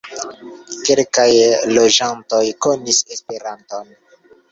Kelkaj loĝantoj konis Esperanton.